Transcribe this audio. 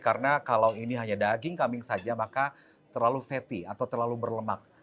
karena kalau ini hanya daging kambing saja maka terlalu fatty atau terlalu berlemak